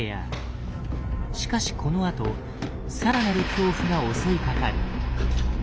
しかしこのあとさらなる恐怖が襲いかかる。